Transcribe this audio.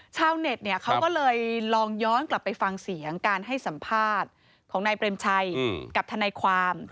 ชาวเน็ตเนี่ยเขาก็เลยลองย้อนกลับไปฟังเสียงการให้สัมภาษณ์ของนายเปรมชัยกับทนายความ